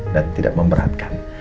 dan tidak memberatkan